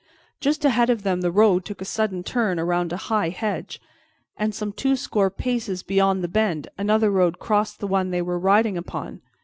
Just ahead of them the road took a sudden turn around a high hedge, and some twoscore paces beyond the bend another road crossed the one they were riding upon.